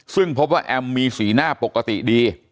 ซึ่งพบว่าแอมมีสีหน้าปกติดี